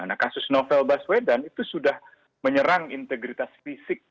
nah kasus novel baswedan itu sudah menyerang integritas fisik